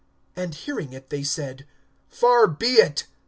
And hearing it, they said: Far be it!